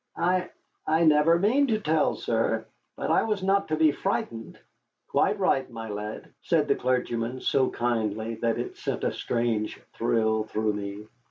"I I never mean to tell, sir. But I was not to be frightened." "Quite right, my lad," said the clergyman, so kindly that it sent a strange thrill through me.